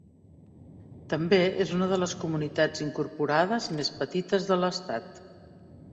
També és una de les comunitats incorporades més petites de l'estat.